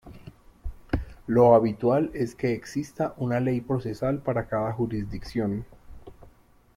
Lo habitual es que exista una ley procesal para cada jurisdicción.